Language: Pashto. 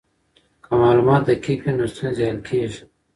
که معلومات دقیق وي نو ستونزې حل کیږي.